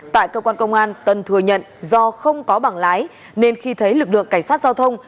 tại cơ quan công an tân thừa nhận do không có bảng lái nên khi thấy lực lượng cảnh sát giao thông